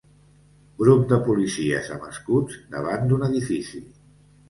Grup de policies amb escuts davant d'un edifici.